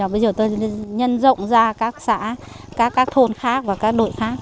bây giờ tôi nhân rộng ra các xã các thôn khác và các đội khác